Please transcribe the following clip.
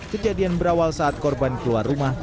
kejadian berawal saat korban keluar rumah